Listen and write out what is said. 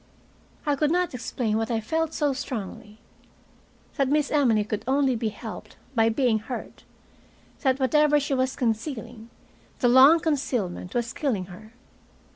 I could not explain what I felt so strongly that Miss Emily could only be helped by being hurt, that whatever she was concealing, the long concealment was killing her.